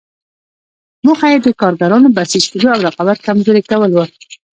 موخه یې د کارګرانو بسیج کېدو او رقابت کمزوري کول وو.